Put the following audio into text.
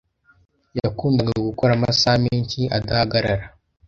Yakundaga gukora amasaha menshi adahagarara.